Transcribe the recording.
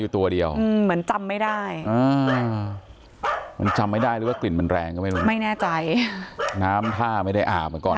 ตัวเดียวเหมือนจำไม่ได้จำไม่ได้ว่ากลิ่นมันแรงไม่แน่ใจน้ำท่าไม่ได้อาบก่อน